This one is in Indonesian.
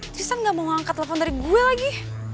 tersisa gak mau angkat telpon dari gue lagi